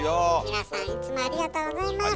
皆さんいつもありがとうございます。